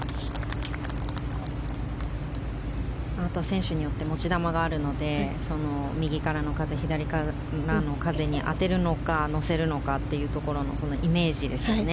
また選手によって持ち球があるので右からの風、左からの風に当てるのか乗せるのかというところのイメージですね。